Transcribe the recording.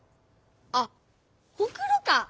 あっほくろか。